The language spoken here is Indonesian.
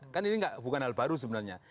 kan ini bukan hal baru sebenarnya